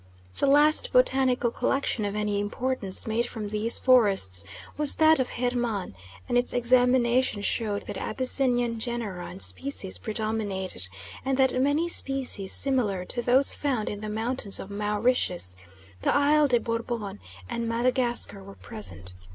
The last botanical collection of any importance made from these forests was that of Herr Mann, and its examination showed that Abyssinian genera and species predominated, and that many species similar to those found in the mountains of Mauritius, the Isle de Bourbon, and Madagascar, were present.